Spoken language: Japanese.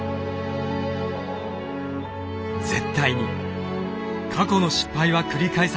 絶対に過去の失敗は繰り返さない。